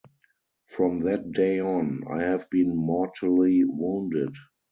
From that day on I have been mortally wounded.